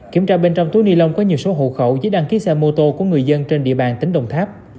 kiểm tra bên trong túi ni lông có nhiều số hộ khẩu giấy đăng ký xe mô tô của người dân trên địa bàn tỉnh đồng tháp